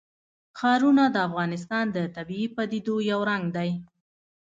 ښارونه د افغانستان د طبیعي پدیدو یو رنګ دی.